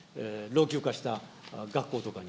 老朽化した学校とかに。